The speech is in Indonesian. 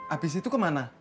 abis itu kemana